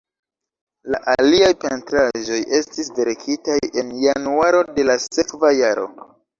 La aliaj pentraĵoj estis verkitaj en januaro de la sekva jaro.